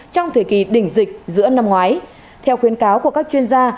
trong thời kỳ đỉnh dịch giữa năm ngoái theo khuyến cáo của các chuyên gia